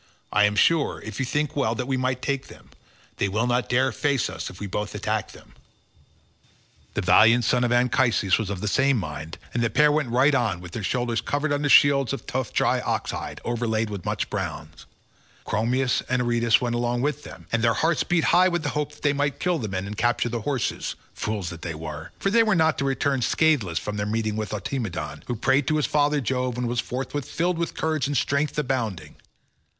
I am sure, if you think well, that we might take them; they will not dare face us if we both attack them." The valiant son of Anchises was of the same mind, and the pair went right on, with their shoulders covered under shields of tough dry ox hide, overlaid with much bronze. Chromius and Aretus went also with them, and their hearts beat high with hope that they might kill the men and capture the horses—fools that they were, for they were not to return scatheless from their meeting with Automedon, who prayed to father Jove and was forthwith filled with courage and strength abounding.